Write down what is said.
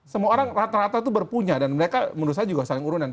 semua orang rata rata itu berpunya dan mereka menurut saya juga saling urunan